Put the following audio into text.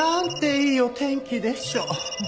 いいお天気でしょう。